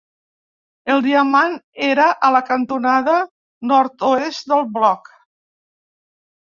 El diamant era a la cantonada nord-oest del bloc.